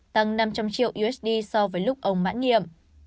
tăng năm trăm linh triệu usd so với lúc ông mãn nhiệm